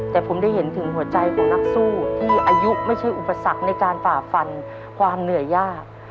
แต่ผมได้เห็นถึงหัวใจของนักสู้ที่อายุไม่ใช่อุปสรรคในการฝ่าฟันความเหนื่อยยาก